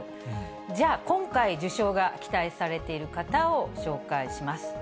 じゃあ、今回受賞が期待されている方を紹介します。